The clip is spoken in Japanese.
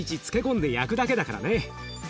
漬け込んで焼くだけだからね。